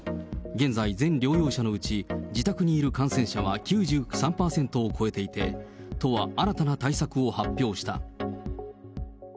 現在、全療養者のうち自宅にいる感染者は９３％を超えていて、都は新たな対策を発表した。